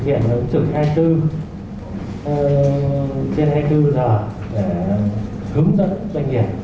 thì tiếp tục thực hiện trực hai tư trên hai tư giờ để hướng dẫn doanh nghiệp